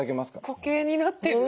固形になってる。